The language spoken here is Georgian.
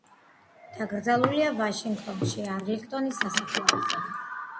დაკრძალულია ვაშინგტონში არლინგტონის სასაფლაოზე.